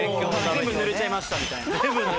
全部ぬれちゃいましたみたいな。